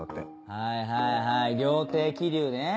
はいはいはい料亭「桐生」ね。